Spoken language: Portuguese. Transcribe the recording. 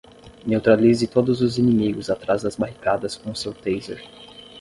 Neutralize todos os inimigos atrás das barricadas com o seu taser.